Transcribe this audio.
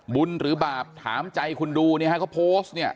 บุญหรือบาปถามใจคุณดูนะครับเขาโพสต์เนี่ย